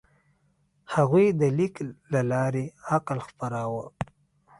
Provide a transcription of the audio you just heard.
هغوی د لیک له لارې عقل خپراوه.